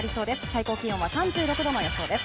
最高気温は３６度の予想です。